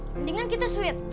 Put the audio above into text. mendingan kita sweet